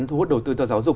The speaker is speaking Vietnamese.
thu hút đầu tư cho giáo dục